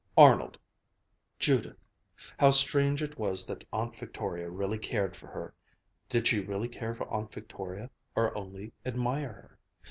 Arnold Judith ... how strange it was that Aunt Victoria really cared for her did she really care for Aunt Victoria or only admire her?